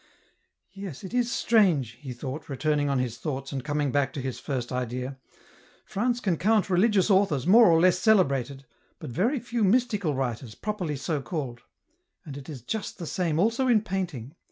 " Yes, it is strange," he thought, returning on his thoughts, and coming back to his first idea ;" France can count religious authors, more or less celebrated, but very few mystical writers, properly so called, and it is just the same also in painting.